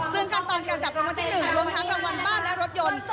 ซึ่งขั้นตอนการจับรางวัลที่๑รวมทั้งรางวัลบ้านและรถยนต์